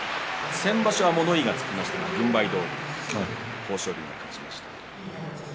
先場所は物言いがつきましたが軍配どおり豊昇龍が勝ちました。